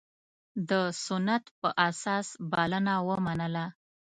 د سنت په اساس بلنه ومنله.